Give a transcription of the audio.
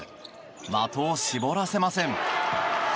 的を絞らせません。